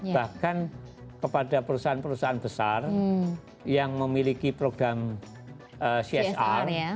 bahkan kepada perusahaan perusahaan besar yang memiliki program csr